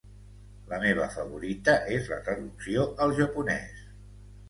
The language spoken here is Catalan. La meva favorita és la traducció al japonès.